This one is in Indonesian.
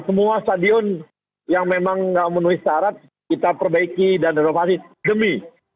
semua stadion yang memang tidak memenuhi syarat kita perbaiki dan renovasi demi